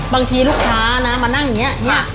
บางทีลูกค้านะมานั่งเหมือนเนี้ย